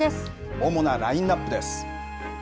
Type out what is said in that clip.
主なラインナップです。